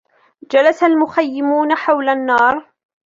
جلس المخيّمون حول النّار.